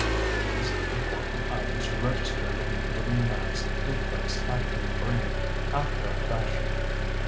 These important items were registered in the brooding man's duplex acting brain after a fashion.